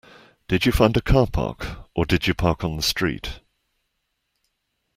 Did you find a car park, or did you park on the street?